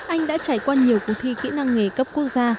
anh đã trải qua nhiều cuộc thi kỹ năng nghề cấp quốc gia